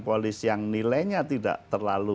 polis yang nilainya tidak terlalu